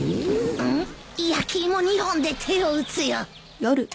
焼き芋２本で手を打つよ。